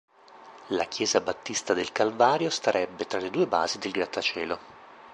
La chiesa battista del Calvario starebbe tra le due basi del grattacielo.